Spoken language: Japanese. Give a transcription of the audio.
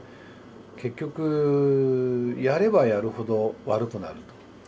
結局やればやるほど悪くなると。